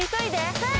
はい！